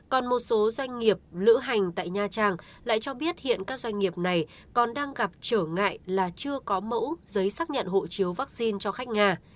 còn một số doanh nghiệp lữ hành tại nha trang lại cho biết hiện các doanh nghiệp này còn đang gặp trở ngại là chưa có mẫu giấy xác nhận hộ chiếu vaccine cho khách nga